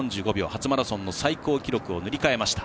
初マラソンの最高記録を塗り替えました。